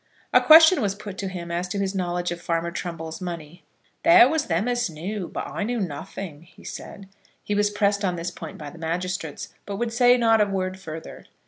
A question was put to him as to his knowledge of Farmer Trumbull's money. "There was them as knew; but I knew nothing," he said. He was pressed on this point by the magistrates, but would say not a word further.